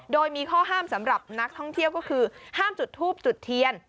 โดยมีข้อห้ามสำหรับนักท่องเที่ยวก็คือห้ามจุดทูบจุดเทียน